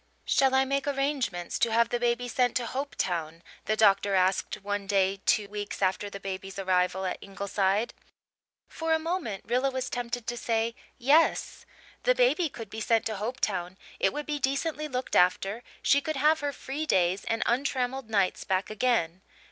"Shall I make arrangements to have the baby sent to Hopetown?" the doctor asked one day two weeks after the baby's arrival at Ingleside. For a moment Rilla was tempted to say "Yes." The baby could be sent to Hopetown it would be decently looked after she could have her free days and untrammelled nights back again.